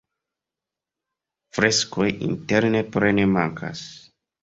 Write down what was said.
Freskoj interne plene mankas.